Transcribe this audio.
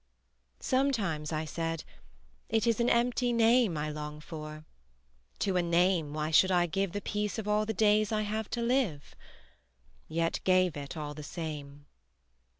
Sometimes I said: It is an empty name I long for; to a name why should I give The peace of all the days I have to live? Yet gave it all the same.